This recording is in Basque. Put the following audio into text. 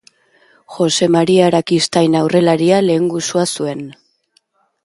Jose Maria Arakistain aurrelaria lehengusua zuen.